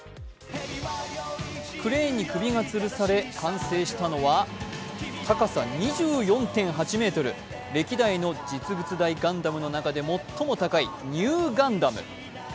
クレーンに首がつるされ、完成したのは高さ２４．８ｍ、歴代の実物大ガンダムの中で最も大きいνガンダム。